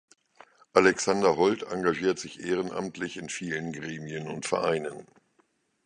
Alexander Hold engagiert sich ehrenamtlich in vielen Gremien und Vereinen.